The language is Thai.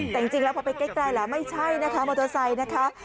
แต่จริงแล้วพอไปใกล้แล้วไม่ใช่นะคะมอเตอร์ไซค์นะคะ